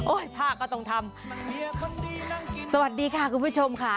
ผ้าก็ต้องทำสวัสดีค่ะคุณผู้ชมค่ะ